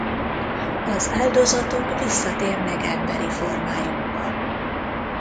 Az áldozatok visszatérnek emberi formájukba.